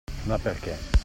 Ma perché?